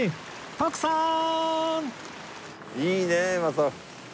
徳さん！